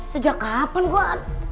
sejak kapan gua pesen pesen